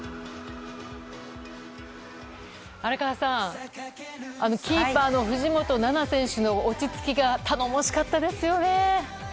荒川さん、キーパーの藤本那菜選手の落ち着きが、頼もしかったですよね。